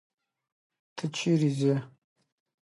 ته چیرته ځې.